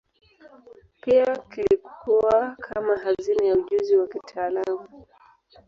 Pia kilikuwa kama hazina ya ujuzi wa kitaalamu.